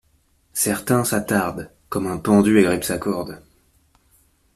Certains s’attardent, comme un pendu agrippe sa corde.